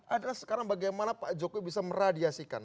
adalah sekarang bagaimana pak jokowi bisa meradiasikan